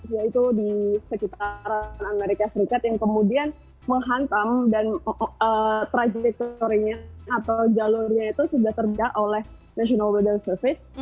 yaitu di sekitaran amerika serikat yang kemudian menghantam dan trajektorinya atau jalurnya itu sudah terdak oleh national weather service